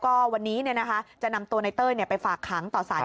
ก็วันนี้เนี่ยนะคะจะนำตัวนายเต้ยเนี่ยไปฝากคำต่อสาย